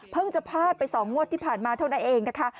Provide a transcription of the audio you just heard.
จะพลาดไป๒งวดที่ผ่านมาเท่านั้นเองนะคะ